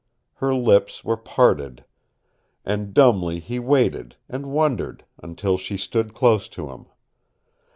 Her lips were parted. And dumbly he waited, and wondered, until she stood close to him.